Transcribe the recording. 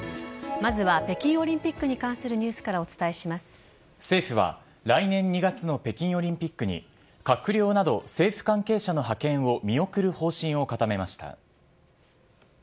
まずは北京オリンピックに関する政府は来年２月の北京オリンピックに閣僚など政府関係者の派遣を見送る方針を固めました。